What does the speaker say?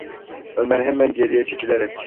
Ömer hemen geriye çekilerek: